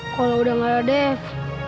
kalo udah gak ada dev